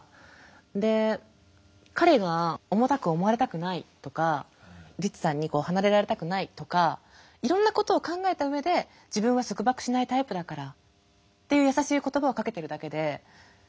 で彼が重たく思われたくないとかリツさんに離れられたくないとかいろんなことを考えた上で自分は束縛しないタイプだからっていう優しい言葉をかけてるだけで何かね